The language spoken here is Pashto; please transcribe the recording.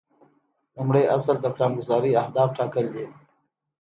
لومړی اصل د پلانګذارۍ اهداف ټاکل دي.